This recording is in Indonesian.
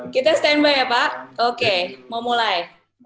kita standby ya pak oke mau mulai